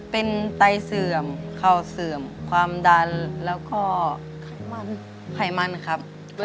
เป็นไตเสื่อมเข้าเสื่อมความดันแล้วก็ไขมันครับ